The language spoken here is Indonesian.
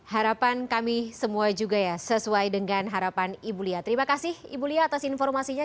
harapan kami semua juga ya sesuai dengan harapan ibu lia terima kasih ibu lia atas informasinya